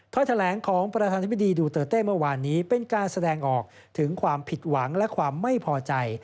แถลงของประธานธิบดีดูเตอร์เต้เมื่อวานนี้เป็นการแสดงออกถึงความผิดหวังและความไม่พอใจ